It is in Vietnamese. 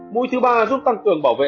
mũi thứ ba giúp tăng cường bảo vệ